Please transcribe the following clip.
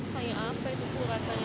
kayak apa itu rasanya